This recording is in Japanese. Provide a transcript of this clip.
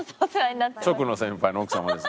直の先輩の奥様です。